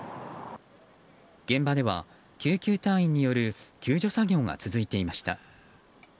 現場では、救急隊員による救助作業が続いていました。